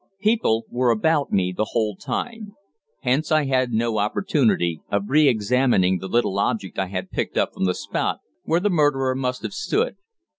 People were about me the whole time. Hence I had no opportunity of re examining the little object I had picked up from the spot where the murderer must have stood.